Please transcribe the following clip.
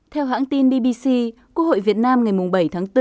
theo hãng tin dbc quốc hội việt nam ngày bảy tháng bốn